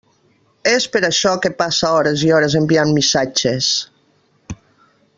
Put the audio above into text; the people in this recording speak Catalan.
És per això que passa hores i hores enviant missatges.